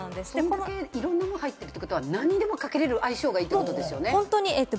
いろんなものが入ってるってことは、何にでもかけられる、相性がいいってことですよね。